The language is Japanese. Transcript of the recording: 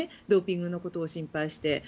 ドーピングのことを心配して。